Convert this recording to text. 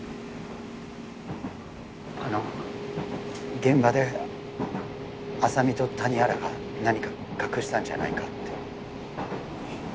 あの現場で浅見と谷原が何か隠したんじゃないかってはあ？